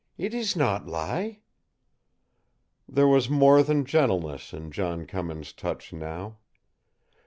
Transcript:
"It ees not lie!" There was more than gentleness in John Cummins' touch now.